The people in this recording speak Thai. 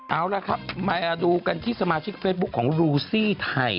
เอาละครับมาดูกันที่สมาชิกเฟซบุ๊คของรูซี่ไทย